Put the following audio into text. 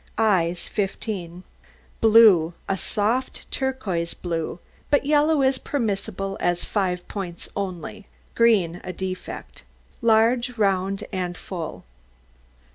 EYES 15 Blue a soft, turquoise blue but yellow is permissible as five points only, green a defect; large, round, and full.